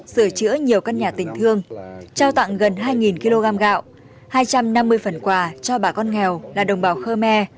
sửa chữa nhiều căn nhà tình thương trao tặng gần hai kg gạo hai trăm năm mươi phần quà cho bà con nghèo là đồng bào khơ me